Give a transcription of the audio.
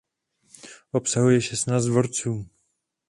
Obsahuje šestnáct dvorců.